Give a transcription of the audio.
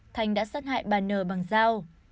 thanh đã sát hại bà n bằng dao